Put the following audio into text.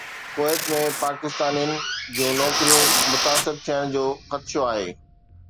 ڪويت ۾ پاڪستانين جون نوڪريون متاثر ٿيڻ جو خدشو آهي